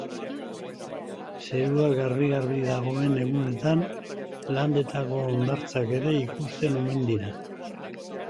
Zerua garbi-garbi dagoen egunetan Landetako hondartzak ere ikusten omen dira.